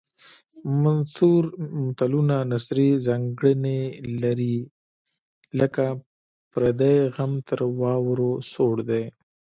منثور متلونه نثري ځانګړنې لري لکه پردی غم تر واورو سوړ دی